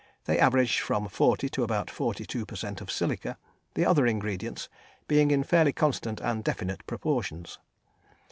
They average from 40 to about 42 per cent. of silica, the other ingredients being in fairly constant and definite proportions.